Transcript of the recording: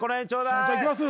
じゃあいきます。